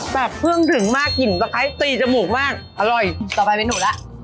แบบเพิ่งถึงมากกินตะไคร้ตีจมูกมากอร่อยต่อไปเมนูล่ะอ่า